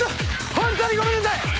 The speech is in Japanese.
ホントにごめんなさい。